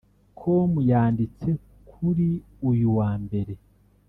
com yanditse kuri uyu wa mbere